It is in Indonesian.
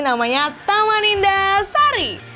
namanya taman indah sari